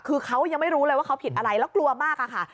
คือเขายังไม่รู้เลยว่าเขาผิดอะไรแล้วกลัวมากอะค่ะ